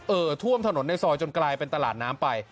ท่วมถนนในซอยจนกลายเป็นตลาดน้ำไป